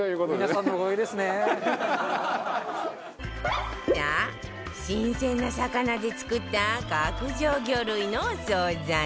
さあ新鮮な魚で作った角上魚類のお惣菜